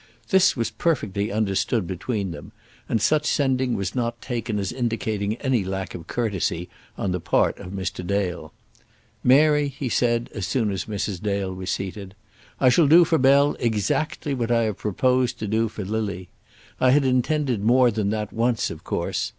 This was perfectly understood between them, and such sending was not taken as indicating any lack of courtesy on the part of Mr. Dale. "Mary," he said, as soon as Mrs. Dale was seated, "I shall do for Bell exactly what I have proposed to do for Lily. I had intended more than that once, of course.